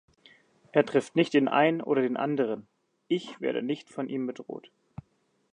Es trifft nicht den einen oder den anderen, „ich“ werde nicht von ihm bedroht.